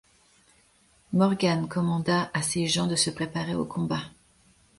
Morgan commanda à ses gens de se préparer au combat.